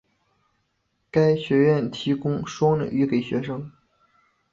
该学院提供双领域给学生。